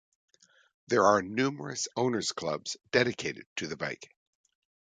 There are numerous owners clubs dedicated to the bike.